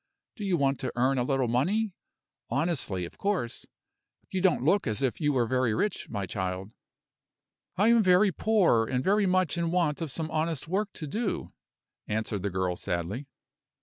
Do you want to earn a little money? honestly, of course. You don't look as if you were very rich, child." "I am very poor, and very much in want of some honest work to do," answered the girl, sadly.